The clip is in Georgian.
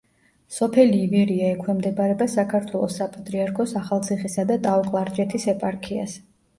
სოფელი ივერია ექვემდებარება საქართველოს საპატრიარქოს ახალციხისა და ტაო-კლარჯეთის ეპარქიას.